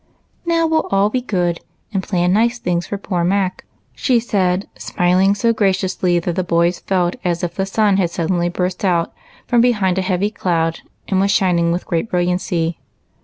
" Now we '11 all be good, and plan nice things for poor Mac," she said, smiling so graciously that the boys felt as if the sun had suddenly burst out from behind a heavy cloud and was shining with great brilliancy.